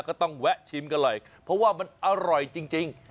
ก็ต้องแวะชิมกันหน่อยเพราะว่ามันอร่อยจริง